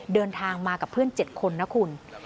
เดินทางมากับเพื่อน๗คนนะคุณ